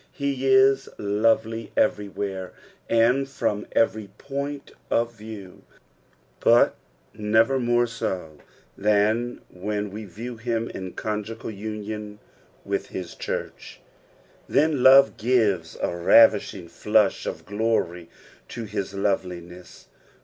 He is lovely everywhere, and from every point of view, but never more so than when wo view him in conjugal union with his church ; then love ^ves h ravishing flush of glory to hia loveliness.